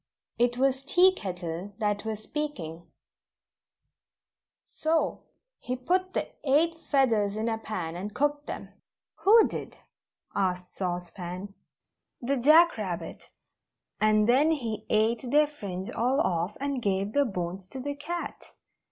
It was Tea Kettle that was speaking: "So, he put the eight feathers in a pan, and cooked them " "Who did?" asked Sauce Pan. "The Jack Rabbit and then he ate their fringe all off, and gave the bones to the cat.